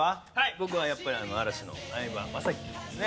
僕はやっぱり嵐の相葉雅紀君ですね。